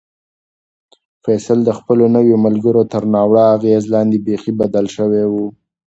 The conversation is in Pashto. فیصل د خپلو نویو ملګرو تر ناوړه اغېز لاندې بیخي بدل شوی و.